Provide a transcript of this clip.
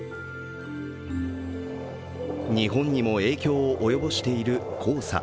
日本にも影響を及ぼしている黄砂。